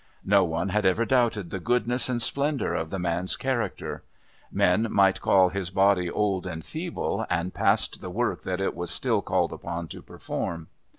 No one had ever doubted the goodness and splendour of the man's character. Men might call his body old and feeble and past the work that it was still called upon to perform.